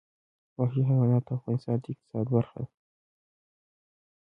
وحشي حیوانات د افغانستان د اقتصاد برخه ده.